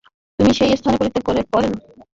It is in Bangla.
তিনি সেই স্থান পরিত্যাগ করেন।